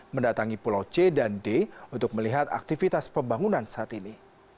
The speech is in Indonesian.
mendatangi pulau c dan d untuk melihat aktivitas pembangunan saat ini